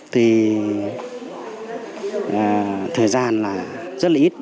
thì thời gian là rất là ít